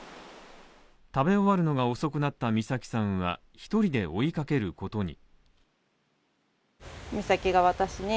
食べ終わるのが遅くなった美咲さんは１人で追いかけることに。